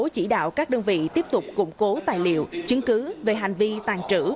chỉ đạo các đơn vị tiếp tục củng cố tài liệu chứng cứ về hành vi tàn trữ